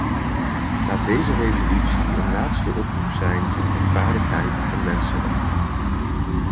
Laat deze resolutie een laatste oproep zijn tot rechtvaardigheid en mensenrechten.